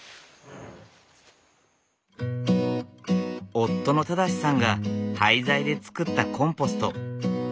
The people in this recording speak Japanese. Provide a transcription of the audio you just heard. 夫の正さんが廃材で作ったコンポスト。